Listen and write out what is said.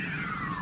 あ！